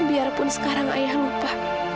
biarpun sekarang ayah lupa